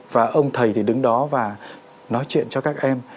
và ông thầy thì đứng đó và nói chuyện cho các em